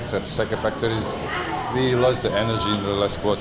tentu saja tim yang lebih kuat